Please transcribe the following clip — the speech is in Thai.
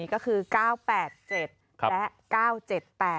ก็คือ๙๘๗และ๙๗๘